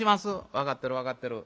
「分かってる分かってる。